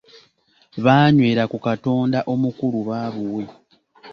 Baanywera ku katonda omukulu ba baabuwe.